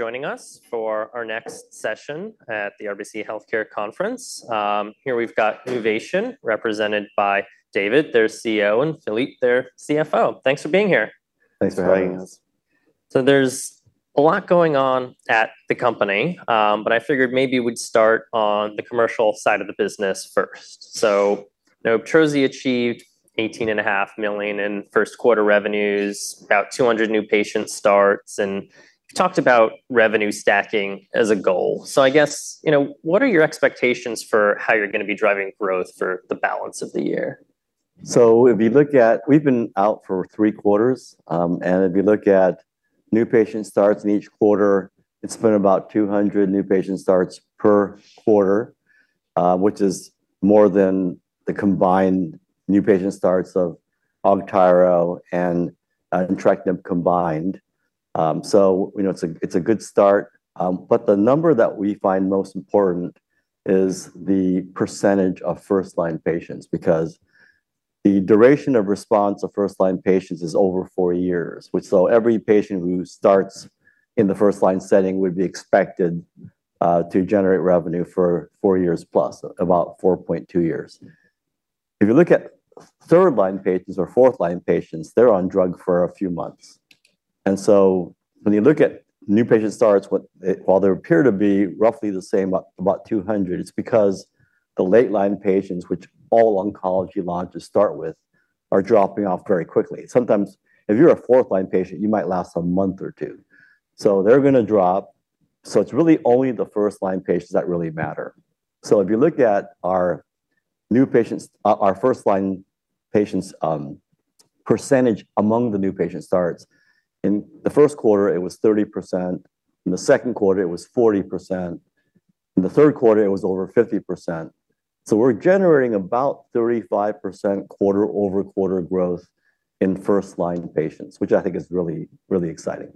Joining us for our next session at the RBC Healthcare Conference. Here we've got Nuvation represented by David Hung, their CEO, and Philippe Sauvage, their CFO. Thanks for being here. Thanks for having us. Thanks. There's a lot going on at the company, but I figured maybe we'd start on the commercial side of the business first. IBTROZI achieved $18.5 million in first quarter revenues, about 200 new patient starts, and you talked about revenue stacking as a goal. I guess, what are your expectations for how you're going to be driving growth for the balance of the year? If you look at, we've been out for three quarters, and if you look at new patient starts in each quarter, it has been about 200 new patient starts per quarter, which is more than the combined new patient starts of Augtyro and entrectinib combined. It is a good start. The number that we find most important is the percentage of first-line patients because the duration of response of first-line patients is over four years. Every patient who starts in the first-line setting would be expected to generate revenue for four years+, about 4.2 years. If you look at third-line patients or fourth-line patients, they are on drug for a few months. When you look at new patient starts, while they appear to be roughly the same, about 200, it is because the late-line patients, which all oncology launches start with, are dropping off very quickly. Sometimes if you're a fourth-line patient, you might last a month or two. They're going to drop. It's really only the 1st-line patients that really matter. If you look at our 1st-line patients' percentage among the new patient starts, in the first quarter it was 30%, in the second quarter it was 40%, in the third quarter it was over 50%. We're generating about 35% quarter-over-quarter growth in 1st-line patients, which I think is really, really exciting.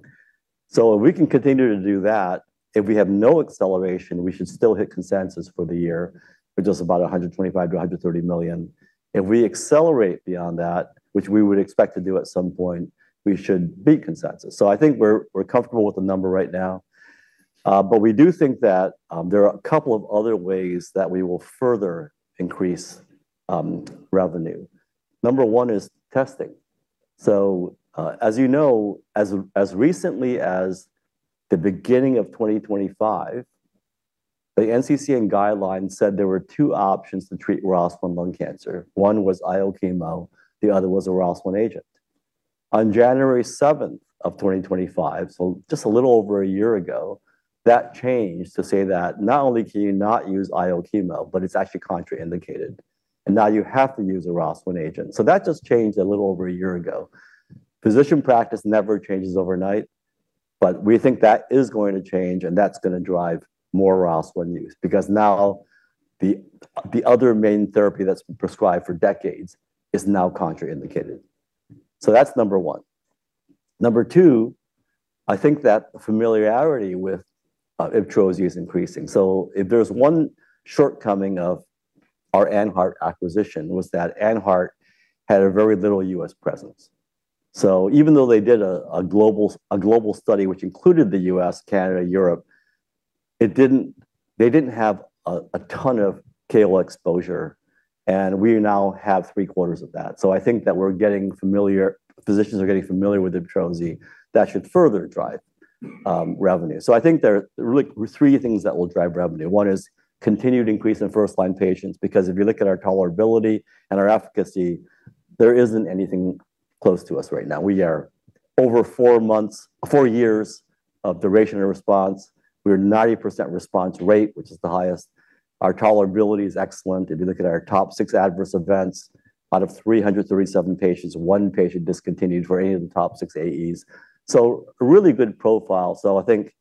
If we can continue to do that, if we have no acceleration, we should still hit consensus for the year with just about $125 million-$130 million. If we accelerate beyond that, which we would expect to do at some point, we should beat consensus. I think we're comfortable with the number right now. We do think that there are a couple of other ways that we will further increase revenue. Number one is testing. As you know, as recently as the beginning of 2025, the NCCN guidelines said there were two options to treat ROS1 lung cancer. One was IO chemo, the other was a ROS1 agent. On January 7th, 2025, so just a little over one year ago, that changed to say that not only can you not use IO chemo, but it's actually contraindicated, and now you have to use a ROS1 agent. That just changed a little over one year ago. Physician practice never changes overnight, but we think that is going to change and that's going to drive more ROS1 use because now the other main therapy that's been prescribed for decades is now contraindicated. That's number one. Number two, I think that familiarity with IBTROZI is increasing. If there's one shortcoming of our AnHeart acquisition was that AnHeart had a very little U.S. presence. Even though they did a global study which included the U.S., Canada, Europe, they didn't have a ton of KOL exposure, and we now have three quarters of that. I think that physicians are getting familiar with IBTROZI. That should further drive revenue. I think there are really three things that will drive revenue. One is continued increase in first-line patients because if you look at our tolerability and our efficacy, there isn't anything close to us right now. We are over four years of duration of response. We are 90% response rate, which is the highest. Our tolerability is excellent. If you look at our top six Adverse Events, out of 337 patients, one patient discontinued for any of the top six AEs. A really good profile. I think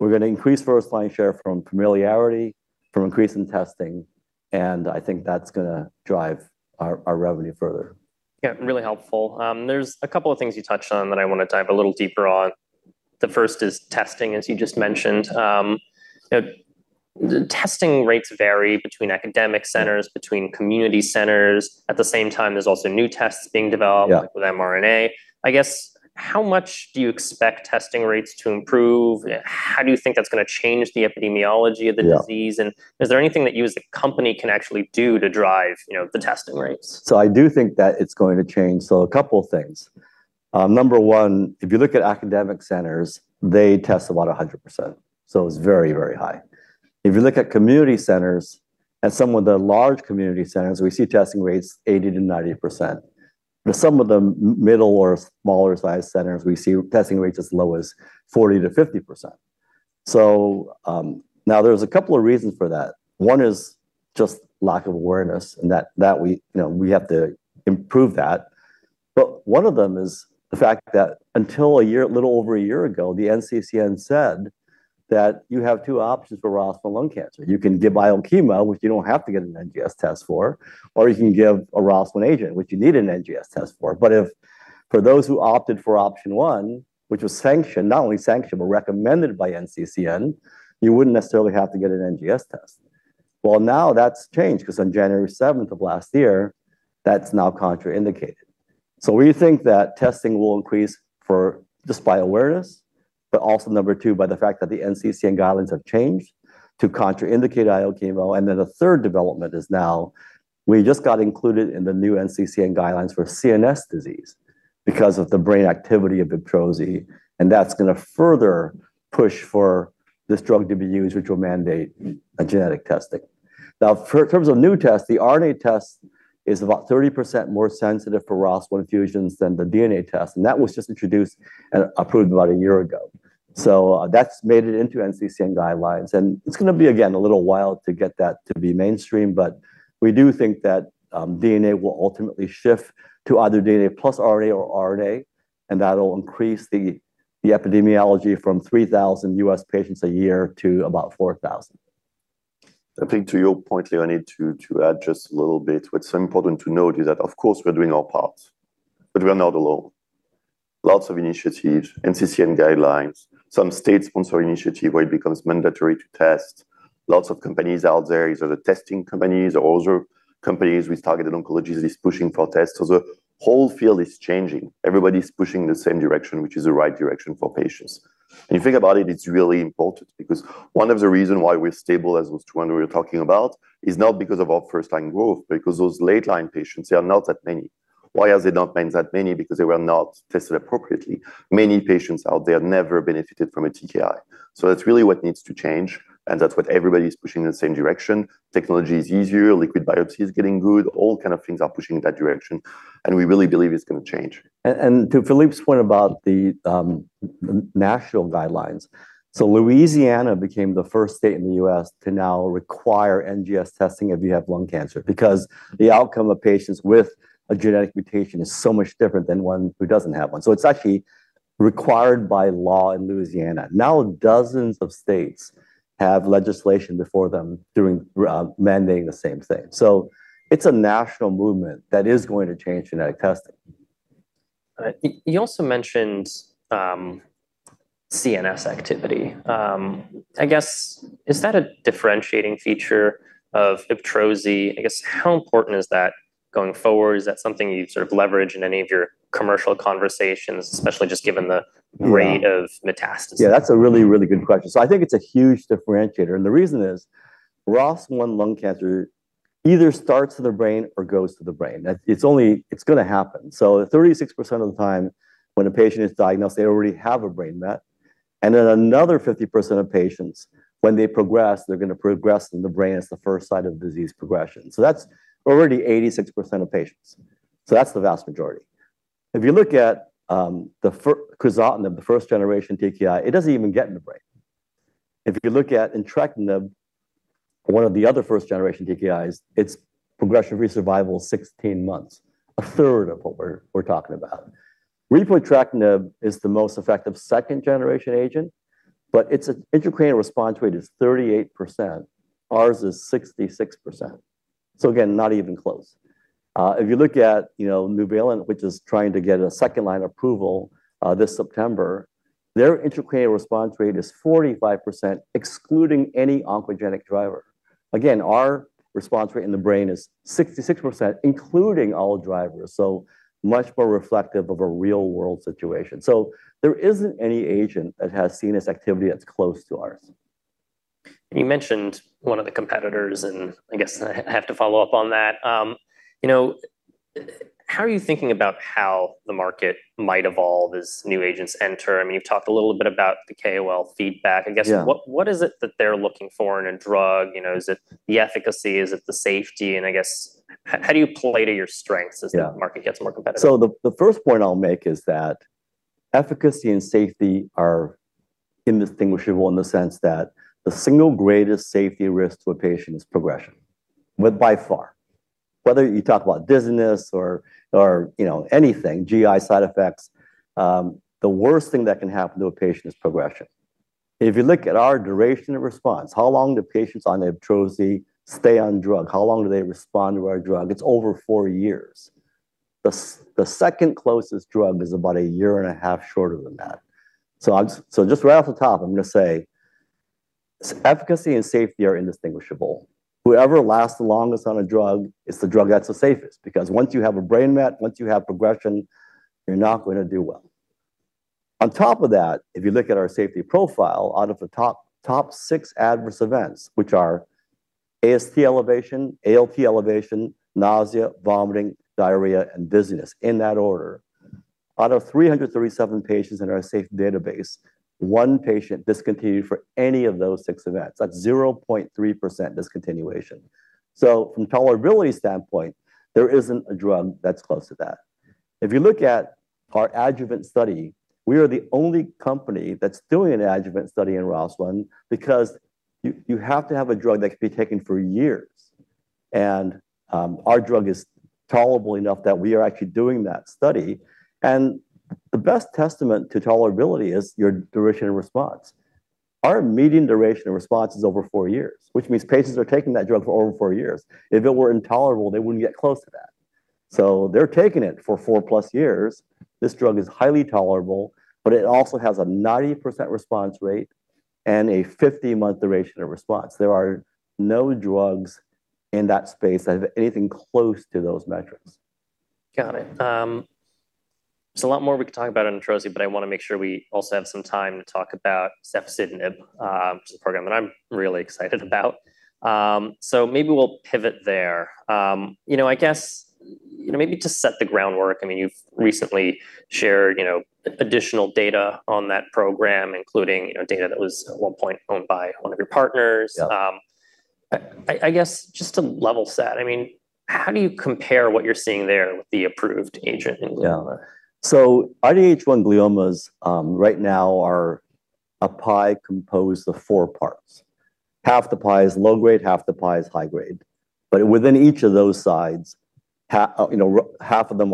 we're going to increase first-line share from familiarity, from increase in testing, and I think that's going to drive our revenue further. Yeah, really helpful. There's a couple of things you touched on that I want to dive a little deeper on. The first is testing, as you just mentioned. Testing rates vary between academic centers, between community centers. At the same time, there's also new tests being developed. Yeah with mRNA. I guess, how much do you expect testing rates to improve? How do you think that's going to change the epidemiology of the disease? Yeah. Is there anything that you as a company can actually do to drive the testing rates? I do think that it's going to change. A couple things. Number one, if you look at academic centers, they test about 100%. It's very, very high. If you look at community centers and some of the large community centers, we see testing rates 80%-90%. Some of the middle or smaller sized centers, we see testing rates as low as 40%-50%. Now there's a couple of reasons for that. One is just lack of awareness, and that we have to improve that. One of them is the fact that until a little over a year ago, the NCCN said that you have two options for ROS1 lung cancer. You can give IO chemo, which you don't have to get an NGS test for, or you can give a ROS1 agent, which you need an NGS test for. If for those who opted for option 1, which was sanctioned, not only sanctioned, but recommended by NCCN, you wouldn't necessarily have to get an NGS test. Now that's changed because on January 7th of last year, that's now contraindicated. We think that testing will increase just by awareness, but also number two, by the fact that the NCCN guidelines have changed to contraindicate IO chemo. A third development is now we just got included in the new NCCN guidelines for CNS disease because of the brain activity of IBTROZI, and that's going to further push for this drug to be used, which will mandate a genetic testing. For terms of new tests, the RNA test is about 30% more sensitive for ROS1 fusions than the DNA test, and that was just introduced and approved about a year ago. That's made it into NCCN guidelines, and it's going to be, again, a little while to get that to be mainstream, but we do think that DNA will ultimately shift to either DNA plus RNA or RNA, and that'll increase the epidemiology from 3,000 U.S. patients a year to about 4,000. I think to your point, Leon, I need to add just a little bit. What's important to note is that of course, we're doing our part, but we are not alone. Lots of initiatives, NCCN guidelines, some state-sponsored initiative where it becomes mandatory to test, lots of companies out there. These are the testing companies or other companies with targeted oncologies pushing for tests. The whole field is changing. Everybody's pushing the same direction, which is the right direction for patients. If you think about it's really important because one of the reasons why we're stable, as was when we were talking about, is not because of our first-line growth, but because those late-line patients, they are not that many. Why are they not being that many? They were not tested appropriately. Many patients out there never benefited from a TKI. That's really what needs to change and that's what everybody's pushing in the same direction. Technology is easier. Liquid biopsy is getting good. All kind of things are pushing in that direction, and we really believe it's going to change. To Philippe's point about the national guidelines, Louisiana became the first state in the U.S. to now require NGS testing if you have lung cancer because the outcome of patients with a genetic mutation is so much different than one who doesn't have one. It's actually required by law in Louisiana. Dozens of states have legislation before them mandating the same thing. It's a national movement that is going to change genetic testing. You also mentioned CNS activity. I guess, is that a differentiating feature of IBTROZI? I guess how important is that going forward? Is that something you sort of leverage in any of your commercial conversations, especially just given the rate of metastasis? That's a really good question. I think it's a huge differentiator, and the reason is ROS1 lung cancer either starts in the brain or goes to the brain. It's going to happen. 36% of the time when a patient is diagnosed, they already have a brain met, and then another 50% of patients, when they progress, they're going to progress in the brain as the first site of disease progression. That's already 86% of patients. That's the vast majority. If you look at the crizotinib, the first-generation TKI, it doesn't even get in the brain. If you look at entrectinib, one of the other first-generation TKIs, it's progression-free survival 16 months, a third of what we're talking about. Repotrectinib is the most effective second-generation agent, but its intracranial response rate is 38%. Ours is 66%. Again, not even close. If you look at Nuvalent, which is trying to get a second-line approval this September, their intracranial response rate is 45%, excluding any oncogenic driver. Again, our response rate in the brain is 66%, including all drivers, so much more reflective of a real-world situation. There isn't any agent that has CNS activity that's close to ours. You mentioned one of the competitors, and I guess I have to follow up on that. How are you thinking about how the market might evolve as new agents enter? You've talked a little bit about the KOL feedback. Yeah. I guess what is it that they're looking for in a drug? Is it the efficacy? Is it the safety? I guess, how do you play to your strengths as the market gets more competitive? The first point I'll make is that efficacy and safety are indistinguishable in the sense that the single greatest safety risk to a patient is progression, but by far. Whether you talk about dizziness or anything, GI side effects, the worst thing that can happen to a patient is progression. If you look at our duration of response, how long do patients on IBTROZI stay on drug? How long do they respond to our drug? It's over four years. The second closest drug is about a year and a half shorter than that. Just right off the top, I'm going to say efficacy and safety are indistinguishable. Whoever lasts the longest on a drug, it's the drug that's the safest. Because once you have a brain met, once you have progression, you're not going to do well. On top of that, if you look at our safety profile, out of the top six Adverse Events, which are AST elevation, ALT elevation, nausea, vomiting, diarrhea, and dizziness, in that order. Out of 337 patients in our safe database, one patient discontinued for any of those six events. That's 0.3% discontinuation. From tolerability standpoint, there isn't a drug that's close to that. If you look at our adjuvant study, we are the only company that's doing an adjuvant study in ROS1 because you have to have a drug that can be taken for years. Our drug is tolerable enough that we are actually doing that study. The best testament to tolerability is your duration of response. Our median duration of response is over four years, which means patients are taking that drug for over four years. If it were intolerable, they wouldn't get close to that. They're taking it for 4-plus years. This drug is highly tolerable, but it also has a 90% response rate and a 50-month duration of response. There are no drugs in that space that have anything close to those metrics. Got it. There's a lot more we could talk about on taletrectinib, but I want to make sure we also have some time to talk about safusidenib, which is a program that I'm really excited about. Maybe we'll pivot there. I guess, maybe to set the groundwork, you've recently shared additional data on that program, including data that was at one point owned by one of your partners. Yeah. I guess, just to level set, how do you compare what you're seeing there with the approved agent in glioma? Yeah. IDH1 gliomas right now are a pie composed of four parts. Half the pie is low-grade, half the pie is high-grade. Within each of those sides, roughly half of them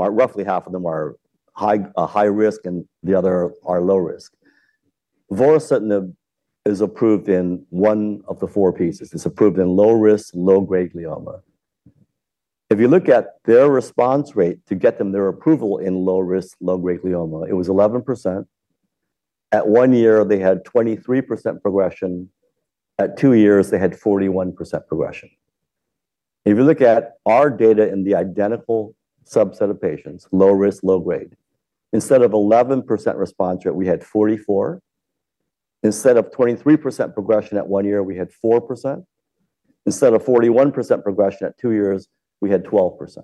are high risk, and the other are low risk. vorasidenib is approved in one of the four pieces. It's approved in low risk, low-grade glioma. If you look at their response rate to get them their approval in low risk, low-grade glioma, it was 11%. At one year, they had 23% progression. At two years, they had 41% progression. If you look at our data in the identical subset of patients, low risk, low grade, instead of 11% response rate, we had 44%. Instead of 23% progression at one year, we had 4%. Instead of 41% progression at two years, we had 12%.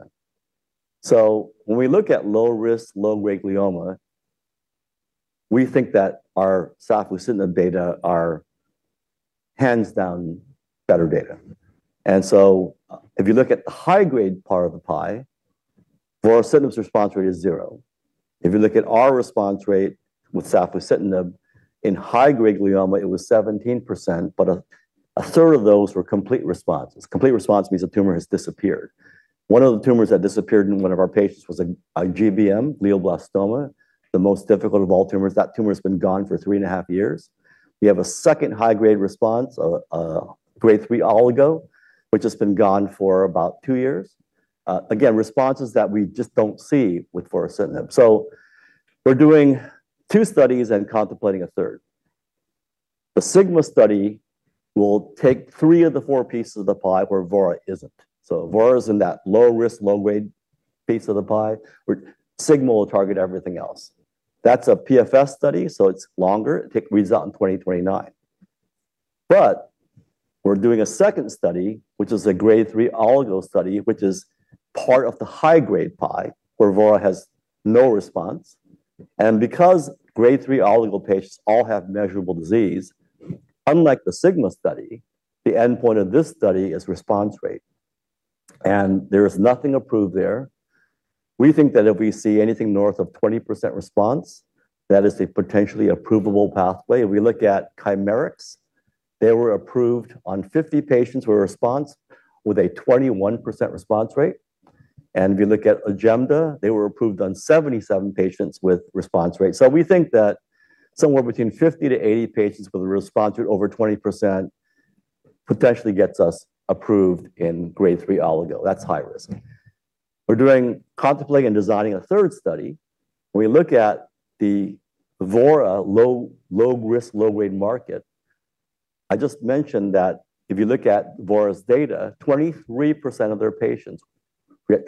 When we look at low risk, low-grade glioma, we think that our safusidenib data are hands down better data. If you look at the high-grade part of the pie, vorasidenib's response rate is zero. If you look at our response rate with safusidenib in high-grade glioma, it was 17%, but a third of those were complete responses. Complete response means the tumor has disappeared. One of the tumors that disappeared in one of our patients was a GBM, glioblastoma, the most difficult of all tumors. That tumor's been gone for three and a half years. We have a second high-grade response, a Grade 3 oligodendroglioma, which has been gone for about two years. Again, responses that we just don't see with vorasidenib. We're doing two studies and contemplating a third. The SIGMA study will take three of the four pieces of the pie where VORANIGO isn't. VORANIGO's in that low risk, low-grade piece of the pie, where SIGMA will target everything else. That's a PFS study, so it's longer. It reads out in 2029. We're doing a second study, which is a Grade 3 oligodendroglioma study, which is part of the high-grade pie where VORANIGO has no response. Because Grade 3 oligodendroglioma patients all have measurable disease, unlike the SIGMA study, the endpoint of this study is response rate. There is nothing approved there. We think that if we see anything north of 20% response, that is a potentially approvable pathway. If we look at Chimerix, they were approved on 50 patients with a 21% response rate. If you look at agenda, they were approved on 77 patients with response rate. We think that somewhere between 50 to 80 patients with a response rate over 20% potentially gets us approved in Grade 3 oligodendroglioma. That's high risk. We're contemplating and designing a third study. We look at the VORANIGO low risk, low-grade market. I just mentioned that if you look at VORANIGO's data, 23% of their patients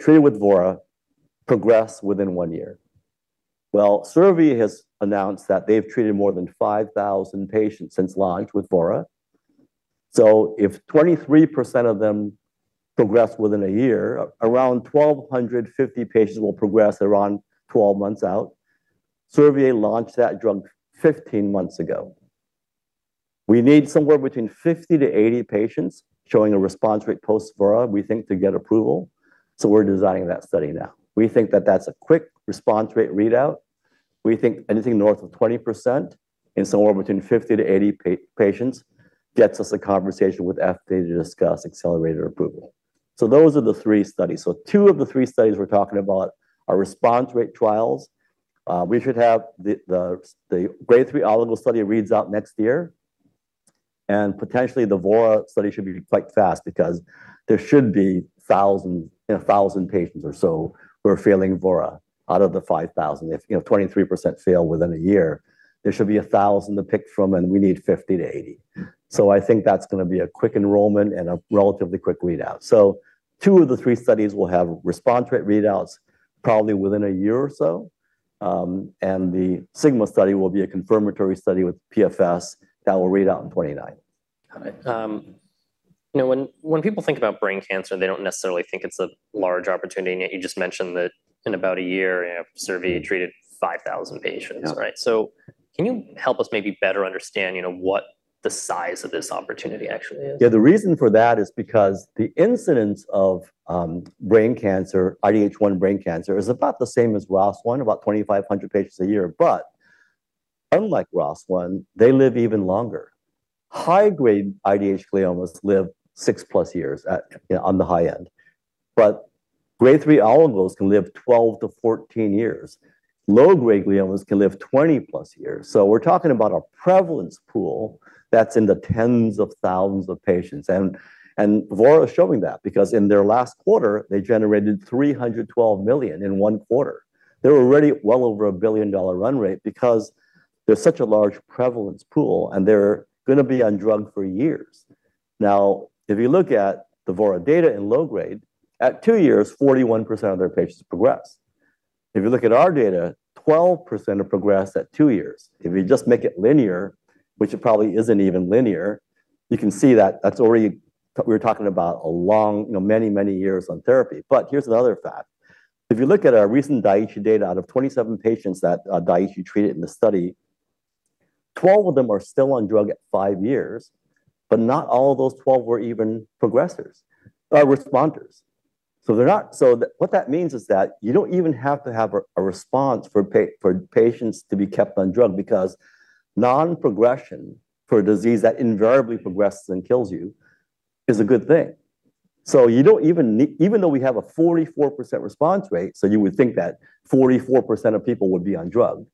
treated with VORANIGO progress within one year. Well, Servier has announced that they've treated more than 5,000 patients since launch with VORANIGO. If 23% of them progress within a year, around 1,250 patients will progress around 12 months out. Servier launched that drug 15 months ago. We need somewhere between 50 to 80 patients showing a response rate post-VORANIGO, we think, to get approval. We're designing that study now. We think that that's a quick response rate readout. We think anything north of 20% in somewhere between 50-80 patients gets us a conversation with FDA to discuss accelerated approval. Those are the three studies. Two of the three studies we're talking about are response rate trials. The Grade 3 oligodendroglioma study reads out next year. Potentially, the VORANIGO study should be quite fast because there should be 1,000 patients or so who are failing VORANIGO out of the 5,000. If 23% fail within a year, there should be 1,000 to pick from, and we need 50-80. I think that's going to be a quick enrollment and a relatively quick readout. Two of the three studies will have response rate readouts probably within a year or so. The SIGMA study will be a confirmatory study with PFS that will read out in 2029. Got it. When people think about brain cancer, they don't necessarily think it's a large opportunity, yet you just mentioned that in about a year, Servier treated 5,000 patients. Yeah. Right? Can you help us maybe better understand what the size of this opportunity actually is? The reason for that is because the incidence of IDH1 brain cancer is about the same as ROS1, about 2,500 patients a year. Unlike ROS1, they live even longer. High-grade IDH gliomas live 6+ years on the high end. Grade 3 oligos can live 12-14 years. Low-grade gliomas can live 20+ years. We're talking about a prevalence pool that's in the tens of thousands of patients. VORA is showing that, because in their last quarter, they generated $312 million in one quarter. They're already well over a billion-dollar run rate because there's such a large prevalence pool, and they're going to be on drug for years. Now, if you look at the VORA data in low-grade, at two years, 41% of their patients progressed. If you look at our data, 12% have progressed at two years. If you just make it linear, which it probably isn't even linear, you can see that we're talking about a long, many, many years on therapy. Here's another fact. If you look at our recent Daiichi data, out of 27 patients that Daiichi treated in the study, 12 of them are still on drug at five years, but not all of those 12 were even progressers or responders. What that means is that you don't even have to have a response for patients to be kept on drug, because non-progression for a disease that invariably progresses and kills you is a good thing. Even though we have a 44% response rate, so you would think that 44% of people would be on drug.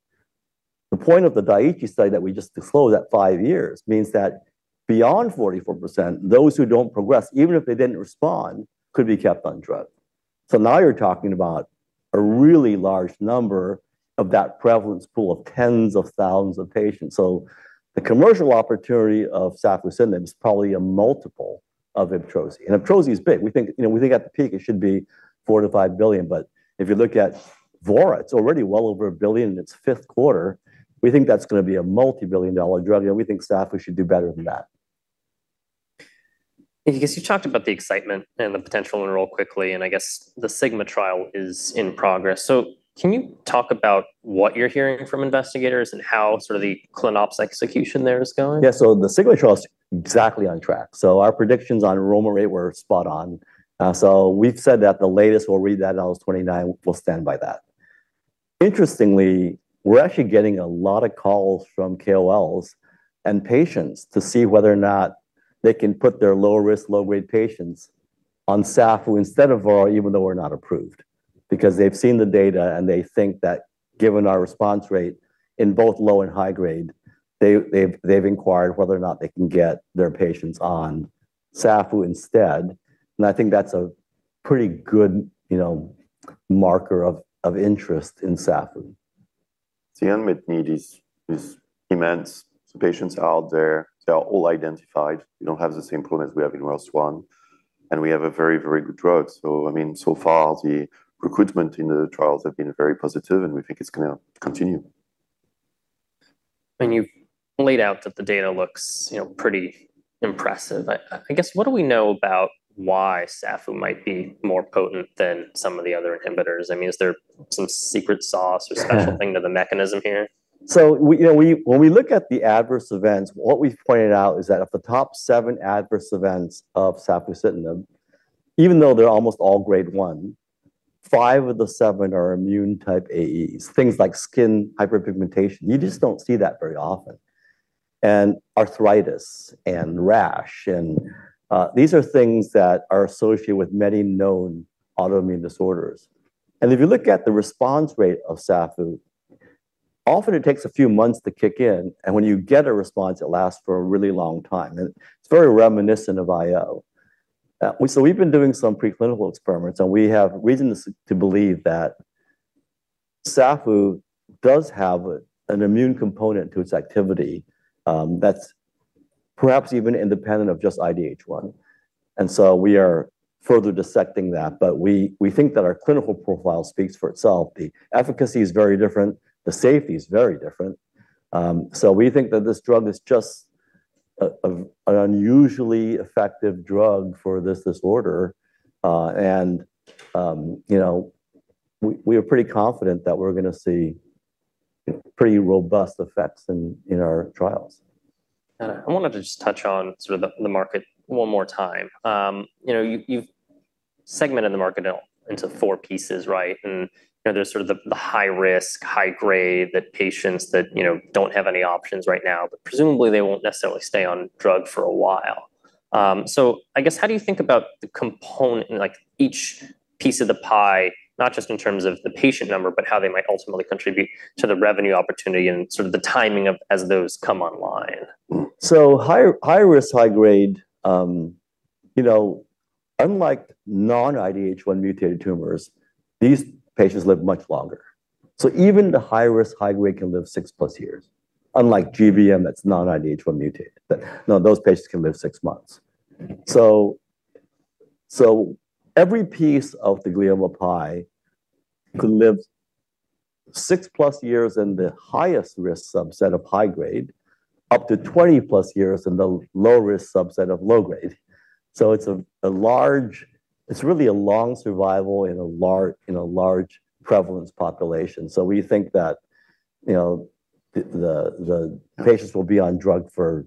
The point of the Daiichi study that we just disclosed at five years means that beyond 44%, those who don't progress, even if they didn't respond, could be kept on drug. Now you're talking about a really large number of that prevalence pool of tens of thousands of patients. So the commercial opportunity of safusidenib is multiple IBTROZI. IBTROZI is big. We think at the peak, it should be $4 billion-$5 billion, but if you look at VORA, it's already well over $1 billion in its fifth quarter. We think that's going to be a multibillion-dollar drug, and we think safu should do better than that. I guess you talked about the excitement and the potential enroll quickly, and I guess the SIGMA trial is in progress. Can you talk about what you're hearing from investigators and how sort of the ClinOps execution there is going? The SIGMA trial is exactly on track. Our predictions on enrollment rate were spot on. We've said that the latest we'll read that out is 2029, we'll stand by that. Interestingly, we're actually getting a lot of calls from KOLs and patients to see whether or not they can put their lower risk, low-grade patients on safu instead of VORANIGO, even though we're not approved. They've seen the data, and they think that given our response rate in both low and high-grade, they've inquired whether or not they can get their patients on safu instead. I think that's a pretty good marker of interest in safu. The unmet need is immense. The patients are out there. They are all identified. We don't have the same problem as we have in ROS1, and we have a very, very good drug. I mean, so far the recruitment in the trials have been very positive, and we think it's going to continue. You've laid out that the data looks pretty impressive. I guess, what do we know about why safu might be more potent than some of the other inhibitors? I mean, is there some secret sauce or special thing to the mechanism here? When we look at the Adverse Events, what we've pointed out is that of the top seven Adverse Events of safusidenib, even though they're almost all Grade 1, five of the seven are immune type AEs, things like skin hyperpigmentation. You just don't see that very often. Arthritis and rash, these are things that are associated with many known autoimmune disorders. If you look at the response rate of safu, often it takes a few months to kick in, and when you get a response, it lasts for a really long time. It's very reminiscent of IO. We've been doing some preclinical experiments, and we have reasons to believe that safu does have an immune component to its activity that's perhaps even independent of just IDH1. We are further dissecting that. We think that our clinical profile speaks for itself. The efficacy is very different. The safety is very different. We think that this drug is just an unusually effective drug for this disorder. We are pretty confident that we're going to see pretty robust effects in our trials. Got it. I wanted to just touch on sort of the market one more time. You've segmented the market into four pieces, right? There's sort of the high risk, high-grade patients that don't have any options right now, but presumably, they won't necessarily stay on drug for a while. I guess how do you think about the component in each piece of the pie, not just in terms of the patient number, but how they might ultimately contribute to the revenue opportunity and sort of the timing as those come online? High risk, high grade, unlike non-IDH1 mutated tumors, these patients live much longer. Even the high risk, high grade can live 6+ years, unlike GBM that's non-IDH1 mutated. Those patients can live six months. Every piece of the glioma pie could live 6+ years in the highest risk subset of high grade, up to 20+ years in the low risk subset of low grade. It's really a long survival in a large prevalence population. We think that the patients will be on drug for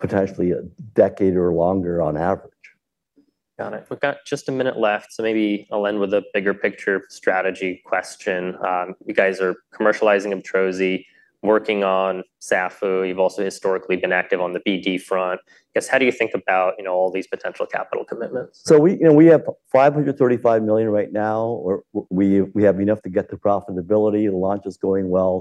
potentially a decade or longer on average. Got it. We've got just a minute left. Maybe I'll end with a bigger picture strategy question. You guys are commercializing IBTROZI, working on safusidenib. You've also historically been active on the BD front. I guess, how do you think about all these potential capital commitments? We have $535 million right now, or we have enough to get to profitability. The launch is going well.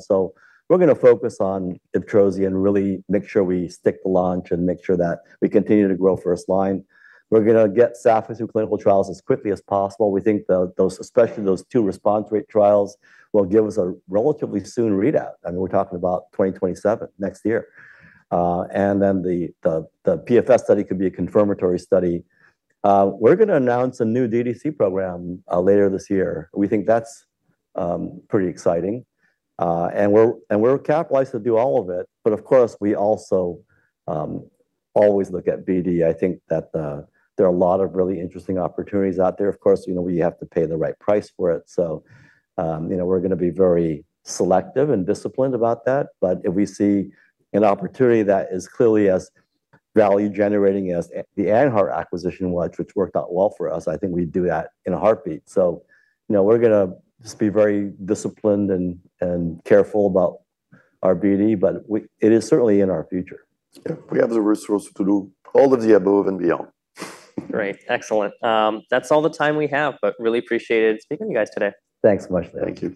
We're going to focus on IBTROZI and really make sure we stick the launch and make sure that we continue to grow first line. We're going to get safu through clinical trials as quickly as possible. We think especially those two response rate trials will give us a relatively soon readout. I mean, we're talking about 2027, next year. The PFS study could be a confirmatory study. We're going to announce a new DDC program later this year. We think that's pretty exciting. We're capitalized to do all of it. Of course, we also always look at BD. I think that there are a lot of really interesting opportunities out there. Of course, we have to pay the right price for it. We're going to be very selective and disciplined about that. If we see an opportunity that is clearly as value-generating as the AnHeart acquisition was, which worked out well for us, I think we'd do that in a heartbeat. We're going to just be very disciplined and careful about our BD, but it is certainly in our future. Yeah. We have the resource to do all of the above and beyond. Great. Excellent. That's all the time we have. Really appreciated speaking to you guys today. Thanks much. Thank you.